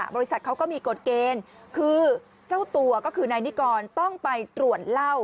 บริษัทเขาก็มีกฎเกณฑ์คือเจ้าตัวก็คือนายนิกรต้องไปตรวจเหล้า